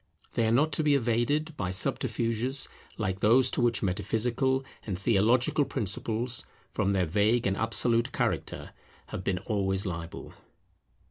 They are not to be evaded by subterfuges like those to which metaphysical and theological principles, from their vague and absolute character, have been always liable.